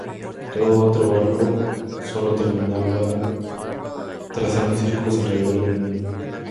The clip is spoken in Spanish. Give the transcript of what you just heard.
Todo otro barco sólo terminaba trazando círculos alrededor del mundo.